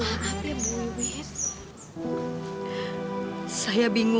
siapa masalah kamu